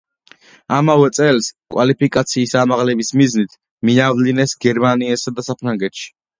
ამავე წელს კვალიფიკაციის ამაღლების მიზნით მიავლინეს გერმანიასა და საფრანგეთში.